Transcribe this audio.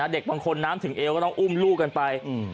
เด็กบางคนน้ำถึงเอวก็ต้องอุ้มลูกกันไป